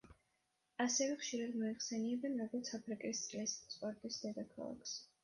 ასევე ხშირად მოიხსენიებენ, როგორც აფრიკის წყლის სპორტის დედაქალაქს.